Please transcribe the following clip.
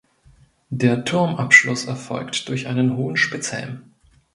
Der Turmabschluss erfolgt durch einen hohen Spitzhelm.